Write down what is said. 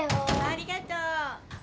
・ありがとう。